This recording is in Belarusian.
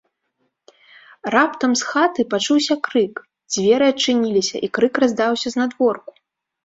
Раптам з хаты пачуўся крык, дзверы адчыніліся, і крык раздаўся знадворку.